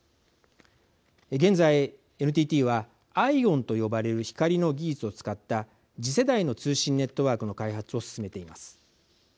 現在ＮＴＴはＩＯＷＮと呼ばれる光の技術を使った次世代の通信ネットワークの開発を進めています。